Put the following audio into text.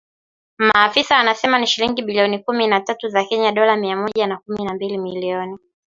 Maafisa wanasema ni shilingi bilioni kumi na tatu za Kenya dola mia moja kumi na mbili milioni.